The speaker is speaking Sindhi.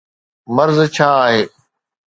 مرض ڇا آهي؟